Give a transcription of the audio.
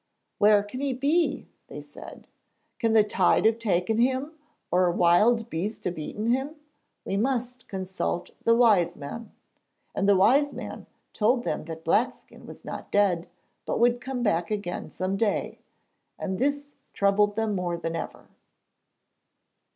'Where can he be?' they said. 'Can the tide have taken him, or a wild beast have eaten him? We must consult the wise man.' And the wise man told them that Blackskin was not dead, but would come back again some day; and this troubled them more than ever.